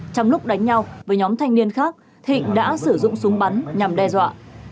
trong lúc đánh nhau với nhóm thanh niên khác thịnh đã sử dụng súng bắn nhằm đe dọa